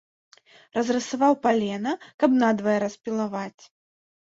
Разрысаваў палена, каб надвае распілаваць.